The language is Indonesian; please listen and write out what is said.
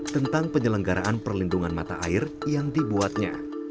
tentang penyelenggaraan perlindungan mata air yang dibuatnya